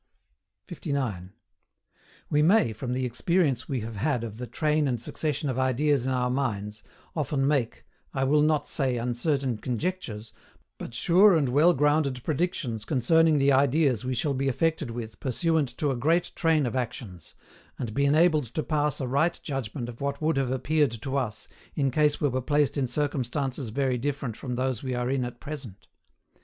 59. We may, from the experience we have had of the train and succession of ideas in our minds, often make, I will not say uncertain conjectures, but sure and well grounded predictions concerning the ideas we shall be affected with pursuant to a great train of actions, and be enabled to pass a right judgment of what would have appeared to us, in case we were placed in circumstances very different from those we are in at present.